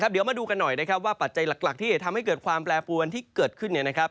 เดี๋ยวมาดูกันหน่อยนะครับว่าปัจจัยหลักที่จะทำให้เกิดความแปรปวนที่เกิดขึ้น